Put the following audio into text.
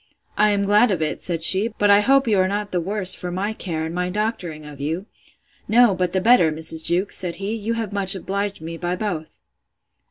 —I am glad of it, said she; but I hope you are not the worse for my care, and my doctoring of you!—No, but the better, Mrs. Jewkes, said he; you have much obliged me by both.